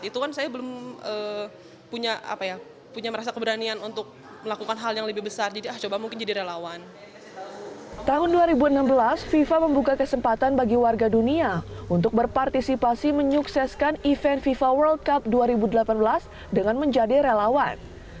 tahun dua ribu enam belas fifa membuka kesempatan bagi warga dunia untuk berpartisipasi menyukseskan event fifa world cup dua ribu delapan belas dengan menjadi relawan